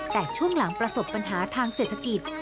แต่ช่วงหลังประสบปัญหาทางเศรษฐกิจ